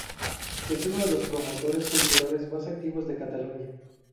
Es uno del promotores culturales más activos de Cataluña.